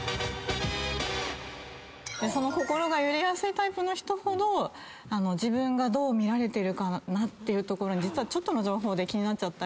その心が揺れやすいタイプの人ほど自分がどう見られてるかなってちょっとの情報で気になったり。